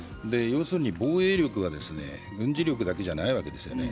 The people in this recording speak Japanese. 防衛力は軍事力だけじゃないわけですね。